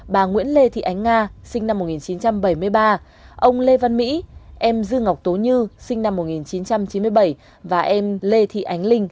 bà nguyễn lê thị ánh nga sinh năm một nghìn chín trăm bảy mươi ba ông lê văn mỹ em dư ngọc tố như sinh năm một nghìn chín trăm chín mươi bảy và em lê thị ánh linh